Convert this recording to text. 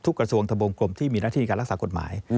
กระทรวงทะบวงกลมที่มีหน้าที่การรักษากฎหมาย